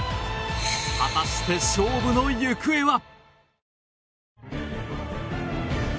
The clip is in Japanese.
果たして、勝負の行方は。